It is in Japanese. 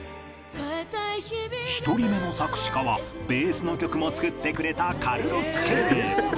１人目の作詞家はベースの曲も作ってくれた ＣａｒｌｏｓＫ．